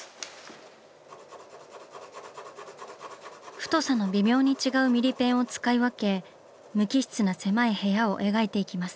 太さの微妙に違うミリペンを使い分け無機質な狭い部屋を描いていきます。